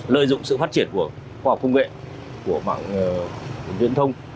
lợi dụng sự phát triển của khoa học công nghệ của mạng viễn thông